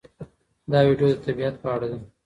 دا ویډیو د طبیعت په اړه ده.